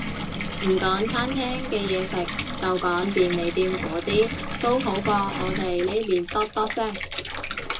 唔講餐廳嘅嘢食，就講便利店嗰啲，都好過我哋呢邊多多聲